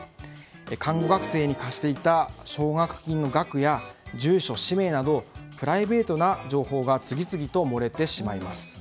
看護学生に貸していた奨学金の額や住所、氏名などプライベートな情報が次々と漏れてしまいます。